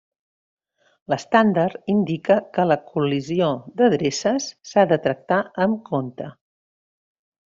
L'estàndard indica que la col·lisió d'adreces s'ha de tractar amb compte.